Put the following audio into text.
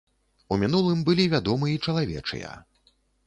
У мінулым былі вядомы і чалавечыя.